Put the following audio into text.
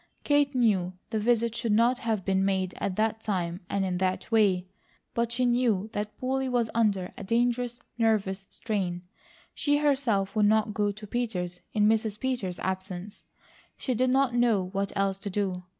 Kate knew the visit should not have been made at that time and in that way; but she knew that Polly was under a dangerous nervous strain; she herself would not go to Peters' in Mrs. Peters' absence; she did not know what else to do.